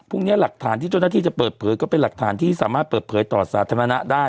หลักฐานที่เจ้าหน้าที่จะเปิดเผยก็เป็นหลักฐานที่สามารถเปิดเผยต่อสาธารณะได้